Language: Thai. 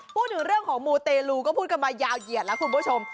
พูดถึงเรื่องของมูเตลูก็พูดกันมายาวเหยียดแล้วคุณผู้ชม